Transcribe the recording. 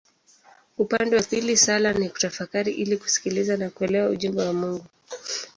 Upande wa pili sala ni kutafakari ili kusikiliza na kuelewa ujumbe wa Mungu.